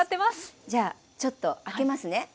じゃあちょっと開けますね。